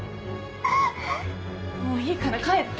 もういいから帰って。